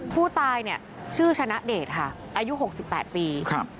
ผู้ตายเนี่ยชื่อชนะเดชค่ะอายุ๖๘ปีครับ